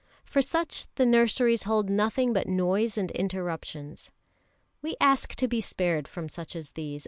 For such the nurseries hold nothing but noise and interruptions. We ask to be spared from such as these.